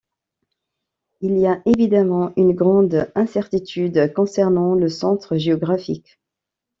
Il y a évidemment une grande incertitude concernant le centre géographique.